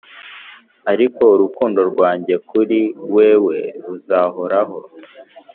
ariko urukundo rwanjye kuri wewe ruzahoraho,